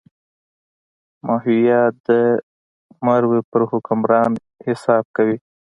ماهویه د مرو پر حکمران حساب کوي.